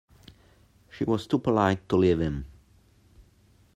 She was too polite to leave him.